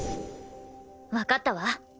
わかったわ。